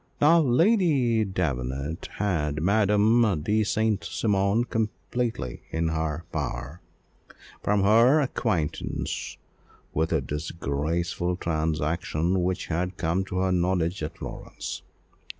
Now Lady Davenant had Madame de St. Cymon completely in her power, from her acquaintance with a disgraceful transaction which had come to her knowledge at Florence.